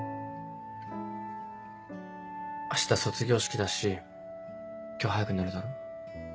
明日卒業式だし今日早く寝るだろ？